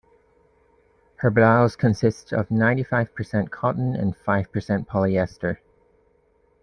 Her blouse consists of ninety-five percent cotton and five percent polyester.